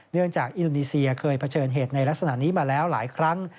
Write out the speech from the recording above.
จากอินโดนีเซียเคยเผชิญเหตุในลักษณะนี้มาแล้วหลายครั้ง